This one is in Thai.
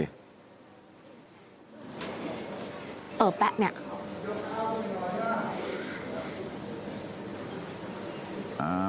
เออแป๊ะเนี่ย